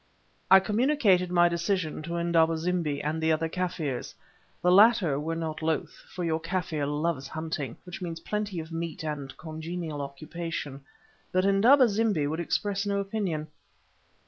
I communicated my decision to Indaba zimbi and the other Kaffirs. The latter were not loth, for your Kaffir loves hunting, which means plenty of meat and congenial occupation, but Indaba zimbi would express no opinion.